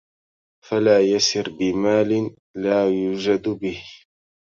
فلا يسر بمال لا يجود به